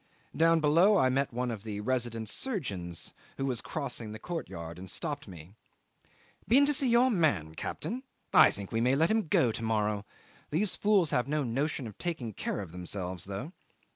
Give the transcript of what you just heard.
Down below I met one of the resident surgeons who was crossing the courtyard and stopped me. "Been to see your man, Captain? I think we may let him go to morrow. These fools have no notion of taking care of themselves, though.